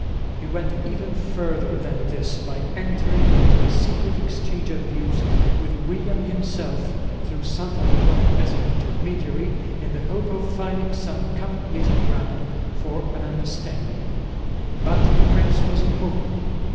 He went even further than this by entering into a secret exchange of views with William himself through Ste Aldegonde as an intermediary, in the hope of finding some common meeting ground for an understanding. But the prince was immovable.